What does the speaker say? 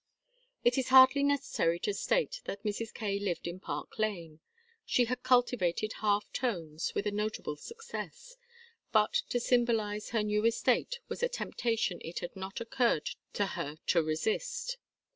It is hardly necessary to state that Mrs. Kaye lived in Park Lane. She had cultivated half tones with a notable success, but to symbolize her new estate was a temptation it had not occurred to her to resist.